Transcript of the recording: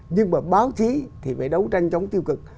nhưng mà báo chí thì phải đấu tranh chống tiêu cực